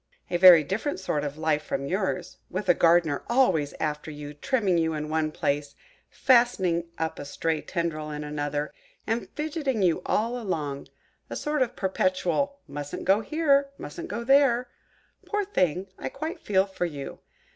A very different sort of life from yours, with a Gardener always after you, trimming you in one place, fastening up a stray tendril in another, and fidgeting you all along–a sort of perpetual 'mustn't go here'–'mustn't go there.' Poor thing! I quite feel for you!